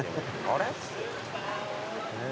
あれ？